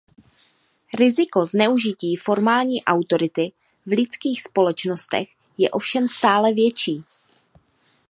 Riziko zneužití formální autority v lidských společnostech je ovšem stále větší.